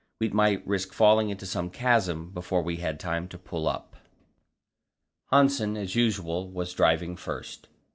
We might risk falling into some chasm before we had time to pull up. Hanssen, as usual, was driving first.